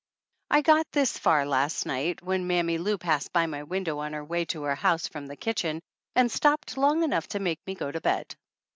I got this far last night when Mammy Lou passed by my window on her way to her house from the kitchen and stopped long enough to make me go to bed.